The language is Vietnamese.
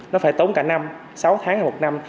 nó phải tốn cả năm sáu tháng hoặc một năm